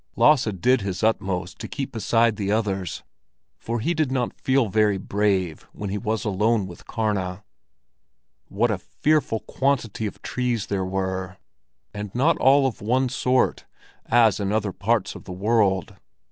Lasse did his utmost to keep beside the others, for he did not feel very brave when he was alone with Karna. What a fearful quantity of trees there were! And not all of one sort, as in other parts of the world.